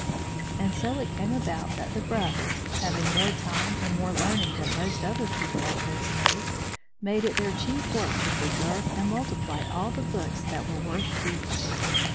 And so it came about that the brothers, having more time and more learning than most other people of those days, made it their chief work to preserve and multiply all the books that were worth keeping.